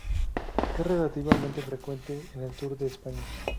Es relativamente frecuente en el sur de España.